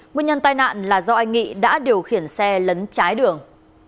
nguyên nhân tai nạn là do anh nghị đã điều khiển xe lấn trái đường